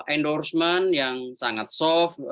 endorsement yang sangat soft